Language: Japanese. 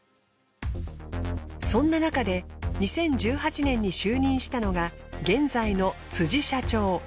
そんななかで２０１８年に就任したのが現在の辻社長。